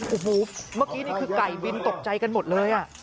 โอ้โหเมื่อกี้นี่คือไก่บินตกใจกันหมดเลย